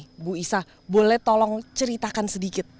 ibu isa boleh tolong ceritakan sedikit